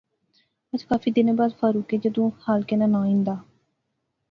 اج کافی دنیں بعد فاروقیں جدوں خالقے ناں ناں ہندا